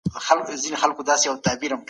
تاسو له خلګو سره په غوره توګه همکاري کوئ.